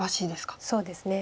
そうですね。